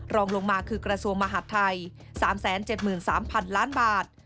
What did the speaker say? รองลงมาคือกระทรวงมหาดไทย๓๗๓๐๐๐ล้านบาท